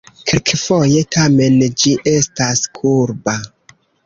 Kelkfoje, tamen, ĝi estas kurba.